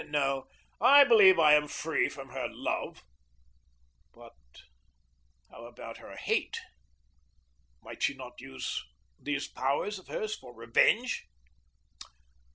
No, I believe I am free from her love but how about her hate? Might she not use these powers of hers for revenge?